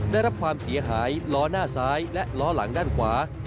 ได้รับความเสียหายล้อหน้าซ้ายและล้อหลังด้านขวา